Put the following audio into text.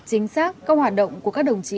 chính xác các hoạt động của các đồng chí